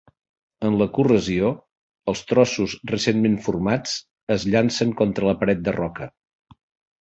En la corrasió, els trossos recentment formats es llancen contra la paret de roca.